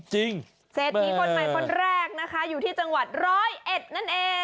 เศรษฐีคนใหม่คนแรกนะคะอยู่ที่จังหวัดร้อยเอ็ดนั่นเอง